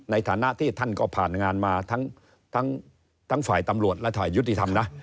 ในฐานะที่ท่านก็ผ่านงานมาทั้งฝ่ายตำรวจและฝ่ายยุติธรรมนะ